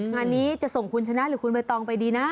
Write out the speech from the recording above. งานนี้จะส่งคุณชนะหรือคุณใบตองไปดีนะ